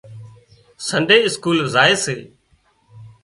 سنڊي اسڪول زائي سي